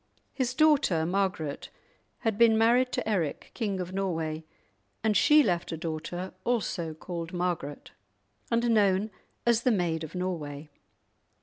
His daughter Margaret had been married to Eric, King of Norway, and she left a daughter also called Margaret, and known as the "Maid of Norway."